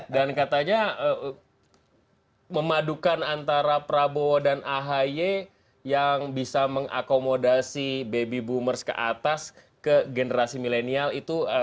dan katanya memadukan antara prabowo dan ahy yang bisa mengakomodasi baby boomers ke atas ke generasi milenial itu